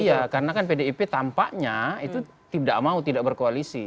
iya karena kan pdip tampaknya itu tidak mau tidak berkoalisi